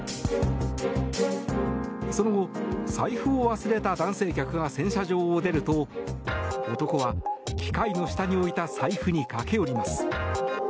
その後、財布を忘れた男性客が洗車場を出ると男は機械の下に置いた財布に駆け寄ります。